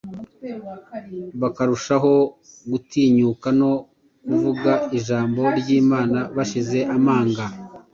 bakarushaho gutinyuka no kuvuga ijambo ry’Imana bashize amanga.